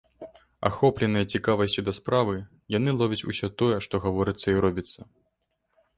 Ахопленыя цікавасцю да справы, яны ловяць усё тое, што гаворыцца і робіцца.